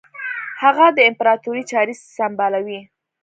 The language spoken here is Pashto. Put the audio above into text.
هغه د امپراطوري چاري سمبالوي.